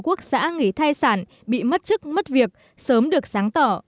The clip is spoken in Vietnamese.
quốc xã nghỉ thai sản bị mất chức mất việc sớm được sáng tỏ